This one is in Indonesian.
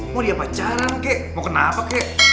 mau dia pacaran kek mau kenapa kek